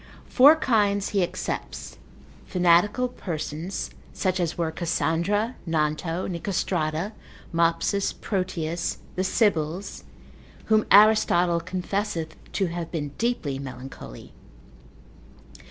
Four kinds he excepts, fanatical persons, such as were Cassandra, Nanto, Nicostrata, Mopsus, Proteus, the sibyls, whom Aristotle confesseth to have been deeply melancholy.